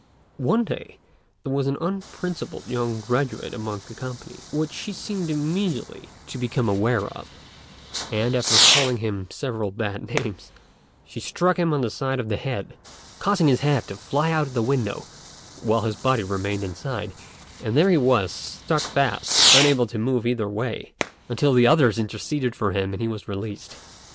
One day there was an unprincipled young graduate among the company, which she seemed immediately to become aware of; and, after calling him several bad names, she struck him on the side of the head, causing his head to fly out of the window while his body remained inside; and there he was, stuck fast, unable to move either way, until the others interceded for him and he was released.